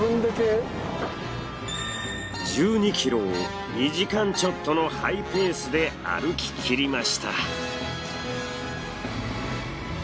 １２ｋｍを２時間ちょっとのハイペースで歩き切りました。